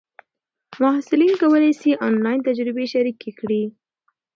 محصلین کولای سي آنلاین تجربې شریکې کړي.